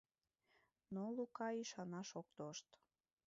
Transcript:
Но Лука ӱшанаш ок тошт.